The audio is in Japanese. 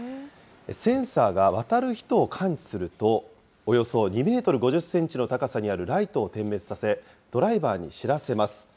センサーが渡る人を感知すると、およそ２メートル５０センチの高さにあるライトを点滅させ、ドライバーに知らせます。